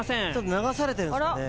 流されてるんですかね。